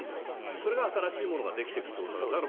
それが新しいものができていくということだから。